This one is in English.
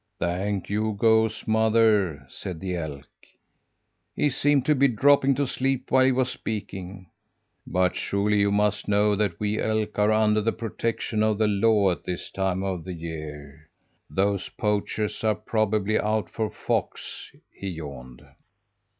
"'Thank you, goose mother!' said the elk. He seemed to be dropping to sleep while he was speaking. 'But surely you must know that we elk are under the protection of the law at this time of the year. Those poachers are probably out for fox,' he yawned.